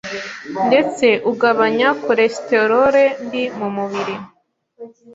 ndetse ugabanya kolesiterole mbi mu mubiri.